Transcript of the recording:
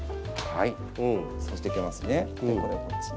はい。